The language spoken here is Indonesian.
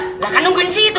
nggak akan nungguin si itu